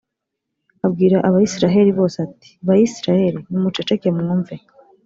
abwira abayisraheli bose, ati «bayisraheli, nimuceceke mwumve!